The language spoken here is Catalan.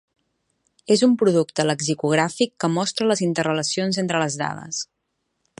És un producte lexicogràfic que mostra les interrelacions entre les dades.